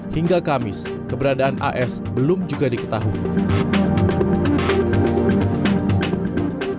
hingga kamis keberadaan as belum juga diketahui